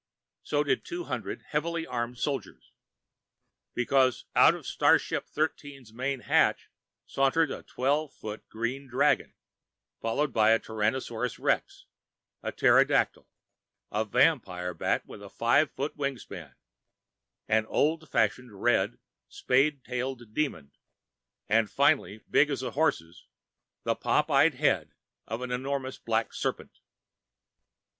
So did two hundred heavily armed soldiers. Because, out of starship Thirteen's main hatch sauntered a twelve foot green dragon, followed by a Tyrannosaurus Rex, a pterodactyl, a vampire bat with a five foot wingspan, an old fashioned red, spade tailed demon, and finally, big as a horse's, the pop eyed head of an enormous black serpent....